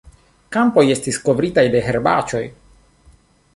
Kampoj estis kovritaj de herbaĉoj.